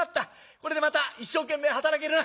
これでまた一生懸命働けるな」。